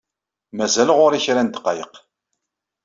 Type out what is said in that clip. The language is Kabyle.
Mazal ɣur-i kra n ddqayeq.